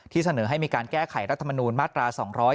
เสนอให้มีการแก้ไขรัฐมนูลมาตรา๒๗